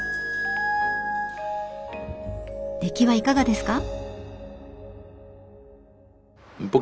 出来はいかがですか？